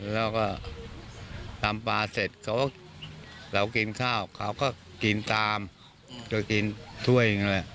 แล้วก็ทำปลาเสร็จเขาก็เลาะกินข้าวเขาก็กินตามกินถ้วย